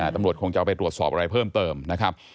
ตำรวจคงจะเอาไปตรวจสอบอะไรเพิ่มเติมนะครับ